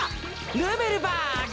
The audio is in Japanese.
ヌーベルバーグ。